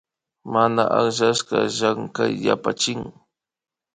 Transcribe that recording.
Mana akllashka Llankay yapachik